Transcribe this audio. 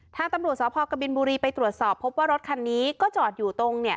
ทางตำรวจสพกบินบุรีไปตรวจสอบพบว่ารถคันนี้ก็จอดอยู่ตรงเนี่ย